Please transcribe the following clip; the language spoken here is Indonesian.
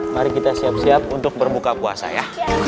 mari kita siap siap untuk berbuka puasa ya